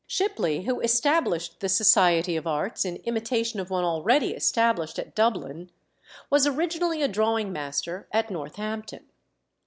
Shipley, who established the society of Arts in imitation of one already established at Dublin, was originally a drawing master at Northampton.